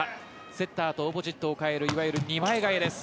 セッターとオポジットを代えるいわゆる２枚代えです。